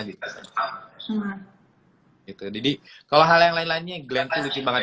jadi kalau hal lain lainnya glenn itu lucu banget